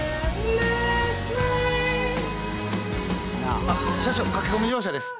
あっ車掌駆け込み乗車です。